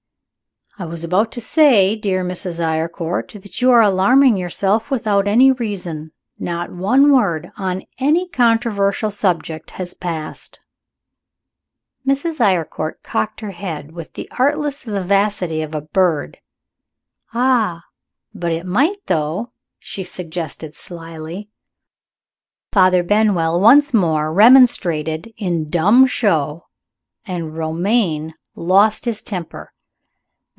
"I was about to say, dear Mrs. Eyrecourt, that you are alarming yourself without any reason. Not one word, on any controversial subject, has passed " Mrs. Eyrecourt cocked her head, with the artless vivacity of a bird. "Ah, but it might, though!" she suggested, slyly. Father Benwell once more remonstrated in dumb show, and Romayne lost his temper.